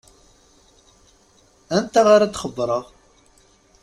Anta ara d-xebbṛeɣ?